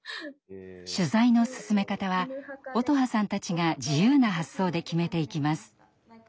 取材の進め方は音羽さんたちが自由な発想で決めていきます。